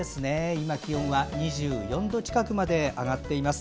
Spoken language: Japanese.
今、気温は２４度近くまで上がっています。